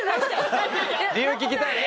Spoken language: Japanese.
理由聞きたい？